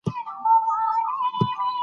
تنوع د افغان ماشومانو د لوبو موضوع ده.